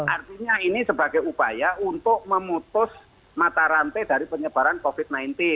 artinya ini sebagai upaya untuk memutus mata rantai dari penyebaran covid sembilan belas